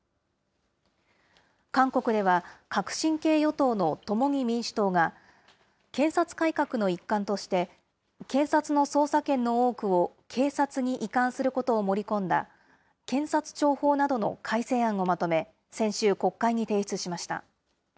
韓国では、革新系与党の共に民主党が、検察改革の一環として、検察の捜査権の多くを警察に移管することを盛り込んだ、検察庁法などの改正案をまとめ、先週、国会に提出しました。